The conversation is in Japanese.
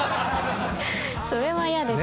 それは嫌ですけど。